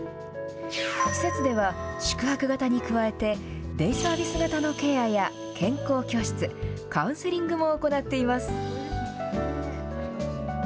施設では、宿泊型に加えて、デイサービス型のケアや健康教室、カウンセリングも行っています。